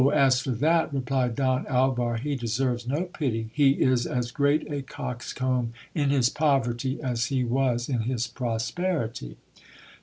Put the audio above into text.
as for that, replied Don Alvar, he deserves no pity, he is as great a cox comb in his poverty as he was in his prosperity.